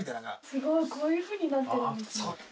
すごい！こういうふうになってるんですね。